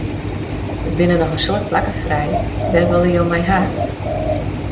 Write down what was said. Der binne noch in soad plakken frij, wêr wolle jo my hawwe?